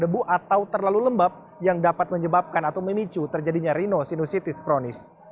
debu atau terlalu lembab yang dapat menyebabkan atau memicu terjadinya rhinosinusitis kronis